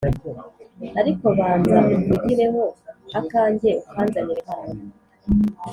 ariko banza umvugireho akanjye ukanzanire hano